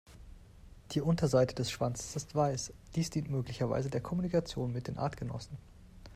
Die Unterseite des Schwanzes ist weiß, dies dient möglicherweise der Kommunikation mit den Artgenossen.